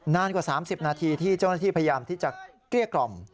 นานกว่า๓๐นาทีที่เจ้าหน้าที่พยายามที่จะเกลี้ยกล่อม